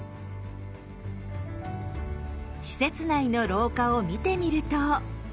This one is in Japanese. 施設内の廊下を見てみると。